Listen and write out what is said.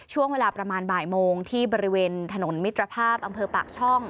ช่วงเวลาประมาณบ่ายโมงที่บริเวณถนนมิตรภาพอำเภอปากช่อง